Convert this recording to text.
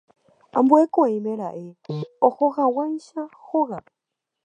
Ambue ko'ẽme raẽ ohohag̃uáicha hógape.